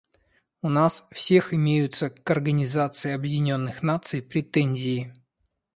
У нас всех имеются к Организации Объединенных Наций претензии.